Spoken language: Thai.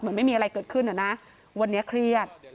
เหมือนไม่มีอะไรเกิดขึ้นเหรอนะวันนี้เครียด